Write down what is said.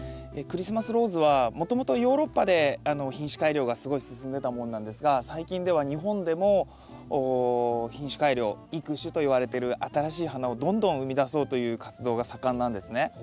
クリスマスローズはもともとヨーロッパで品種改良がすごい進んでたものなんですが最近では日本でも品種改良育種といわれてる新しい花をどんどん生みだそうという活動が盛んなんですね。